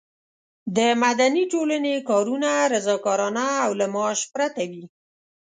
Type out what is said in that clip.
د مدني ټولنې کارونه رضاکارانه او له معاش پرته وي.